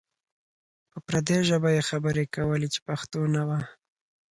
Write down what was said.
په پردۍ ژبه یې خبرې کولې چې پښتو نه وه.